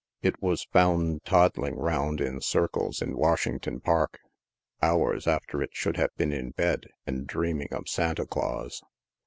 It was found toddling round in circles in Wash ington Park, hours after it should have been in bed, and dreaming of Santa Glaus.